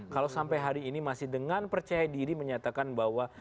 kalau sampai hari ini masih dengan percaya diri menyatakan bahwa